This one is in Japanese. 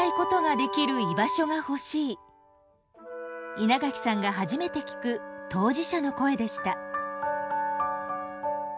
稲垣さんが初めて聞く当事者の声でした。